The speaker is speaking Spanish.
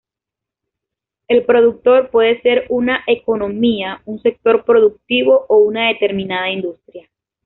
El productor puede ser una economía, un sector productivo o una determinada industria.